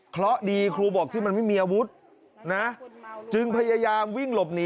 เพราะดีครูบอกที่มันไม่มีอาวุธนะจึงพยายามวิ่งหลบหนี